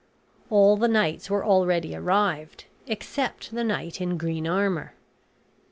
All the knights were already arrived, except the knight in green armor.